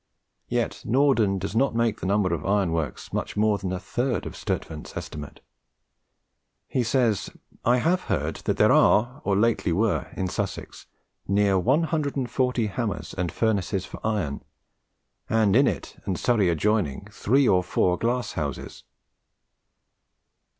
Yet Norden does not make the number of iron works much more than a third of Sturtevant's estimate. He says, "I have heard that there are or lately were in Sussex neere 140 hammers and furnaces for iron, and in it and Surrey adjoining three or four glasse houses."